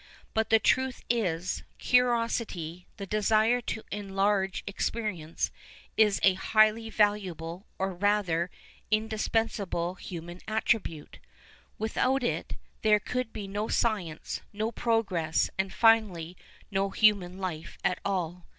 But tlie trutii is, curiosity, the desire to enlarge experience, is a highly valuable, or, rather, indispensable, human attribute. Without it there could be no science, no progress, and finally no human life at all.